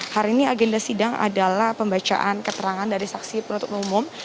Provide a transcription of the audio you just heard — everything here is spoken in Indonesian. hari ini agenda sidang adalah pembacaan keterangan dari saksi penuntut umum